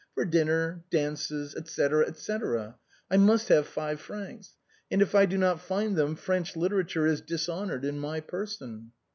For dinner, dances, etc., etc., I must have five francs, and if I do not find them French litera ture is dishonored in my person.